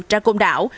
ra côn đảo